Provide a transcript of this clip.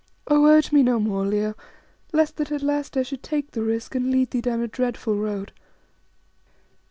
"Oh! urge me no more, Leo, lest that at last I should take the risk and lead thee down a dreadful road.